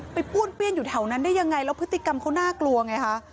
ป้วนเปี้ยนอยู่แถวนั้นได้ยังไงแล้วพฤติกรรมเขาน่ากลัวไงคะ